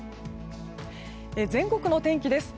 全国の天気です。